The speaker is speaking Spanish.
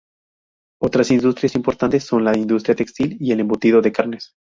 Otras industrias importantes son la industria textil y el embutido de carnes.